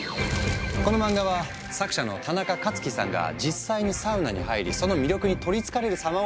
この漫画は作者のタナカカツキさんが実際にサウナに入りその魅力に取りつかれる様を描いたもの。